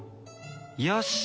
よし！